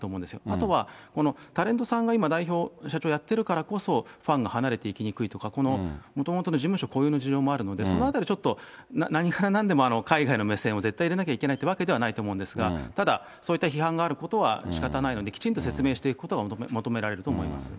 あとはこのタレントさんが今、代表、社長をやってるからこそ、ファンが離れていきにくいとか、このもともとの事務所固有の事情もあるので、そのあたり、ちょっと何が何でも海外の目線を絶対入れなきゃいけないわけではないと思うんですが、ただそういった批判があることは仕方ないので、きちんと説明していくことは求められていると思います。